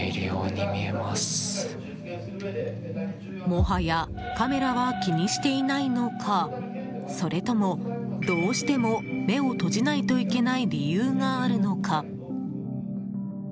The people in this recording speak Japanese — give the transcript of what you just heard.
もはやカメラは気にしていないのか、それともどうしても目を閉じないといけない理由があるのか。